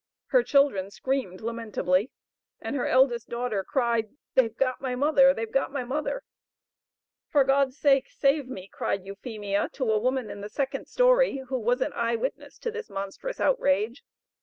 Her children screamed lamentably, and her eldest daughter cried "They've got my mother! they've got my mother!" "For God's sake, save me," cried Euphemia, to a woman in the second story, who was an eye witness to this monstrous outrage.